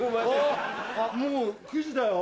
あっもう９時だよ